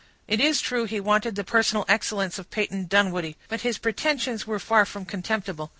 It is true, he wanted the personal excellence of Peyton Dunwoodie, but his pretensions were far from contemptible.